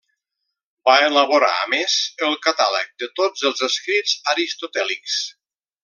Va elaborar, a més, el catàleg de tots els escrits aristotèlics.